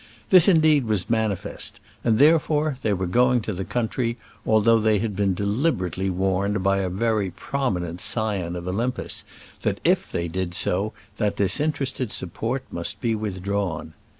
This indeed was manifest, and therefore they were going to the country, although they had been deliberately warned by a very prominent scion of Olympus that if they did do so that disinterested support must be withdrawn.